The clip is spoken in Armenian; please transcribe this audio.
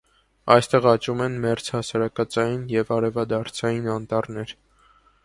Այստեղ աճում են մերձհասարակածային և արևադարձային անտառներ։